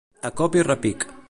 A cop i repic.